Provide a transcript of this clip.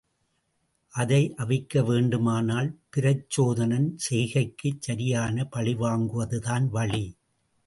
அதை அவிக்க வேண்டுமானால் பிரச்சோதனன் செய்கைக்குச் சரியான பழிவாங்குவதுதான் வழி.